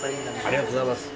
ありがとうございます。